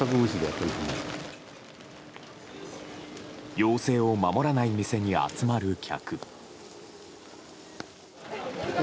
要請を守らない店に集まる客。